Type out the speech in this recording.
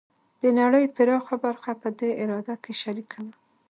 د نړۍ پراخه برخه په دې اراده کې شریکه وه.